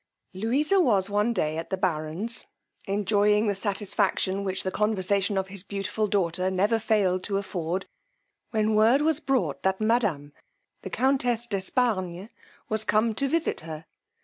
Louisa was one day at the baron's, enjoying that satisfaction which the conversation of his beautiful daughter never failed to afford, when word was brought that madam, the countess d'Espargnes, was come to visit her.